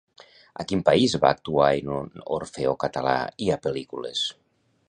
A quin país va actuar en un orfeó català i a pel·lícules?